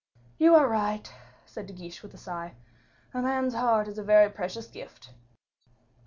"You are right," said De Guiche with a sigh; "a man's heart is a very precious gift."